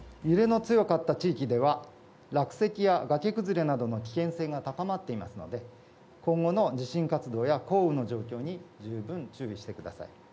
揺れの強かった地域では、落石や崖崩れなどの危険性が高まっていますので、今後の地震活動や、降雨の状況に十分注意してください。